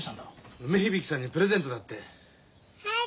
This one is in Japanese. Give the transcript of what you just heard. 梅響さんにプレゼントだって。